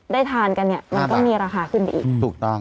ทานกันเนี่ยมันก็มีราคาขึ้นไปอีกถูกต้อง